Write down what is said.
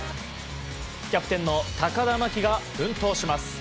キャプテンの高田真希が奮闘します。